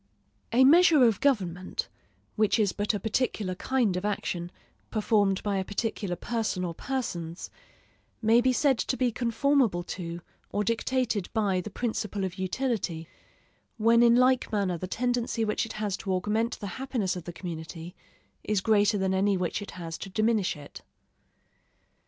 A measure of government (which is but a particular kind of action, performed by a particular person or persons) may be said to be conformable to or dictated by the principle of utility, when in like manner the tendency which it has to augment the happiness of the community is greater than any which it has to diminish it.